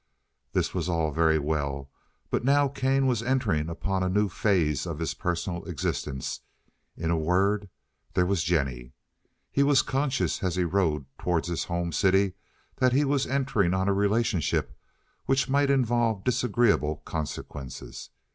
This was all very well, but now Kane was entering upon a new phase of his personal existence—in a word, there was Jennie. He was conscious as he rode toward his home city that he was entering on a relationship which might involve disagreeable consequences.